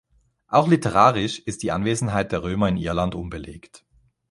Auch literarisch ist die Anwesenheit der Römer in Irland unbelegt.